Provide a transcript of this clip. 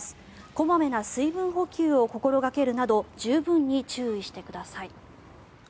小まめな水分補給を心掛けるなど十分に注意してください。